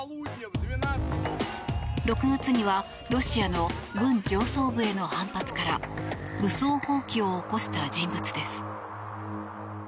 ６月にはロシアの軍上層部への反発から武装蜂起を起こした人物です。